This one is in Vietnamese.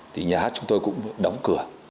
thì nhà hát chúng tôi cũng đóng cửa